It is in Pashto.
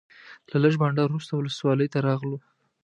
له لږ بانډار وروسته ولسوالۍ ته راغلو.